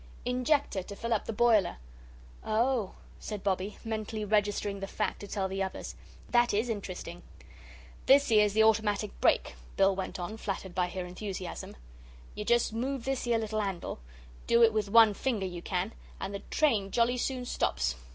"Injector to fill up the boiler." "Oh," said Bobbie, mentally registering the fact to tell the others; "that IS interesting." "This 'ere's the automatic brake," Bill went on, flattered by her enthusiasm. "You just move this 'ere little handle do it with one finger, you can and the train jolly soon stops.